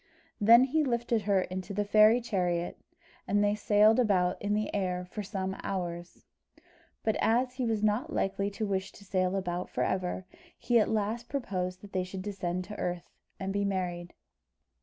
Then he lifted her into the fairy chariot, and they sailed about in the air for some hours. But as he was not likely to wish to sail about for ever, he at last proposed that they should descend to earth, and be married.